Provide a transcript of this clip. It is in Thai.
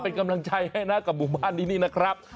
เป็นกำลังใจให้นะกับหมู่บ้านนี้นี่นะครับ